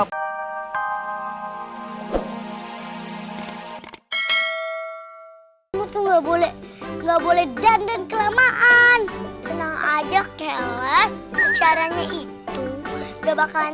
mutlu boleh nggak boleh dan dan kelamaan tenang aja kelas caranya itu gak bakalan